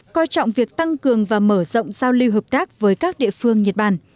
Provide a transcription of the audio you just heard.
coi trọng việc tăng cường và mở rộng giao lưu hợp tác với các địa phương nhật bản